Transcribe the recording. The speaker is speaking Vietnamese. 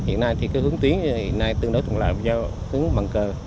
hiện nay thì hướng tuyến tương đối là hướng bằng cờ